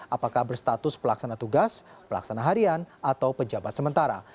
apakah berstatus pelaksana tugas pelaksana harian atau pejabat sementara